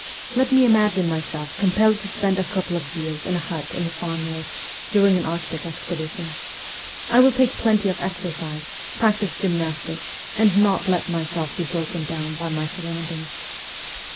Let me imagine myself compelled to spend a couple of years in a hut in the far north, during an arctic expedition. I will take plenty of exercise, practise gymnastics, and not let myself be broken down by my surroundings.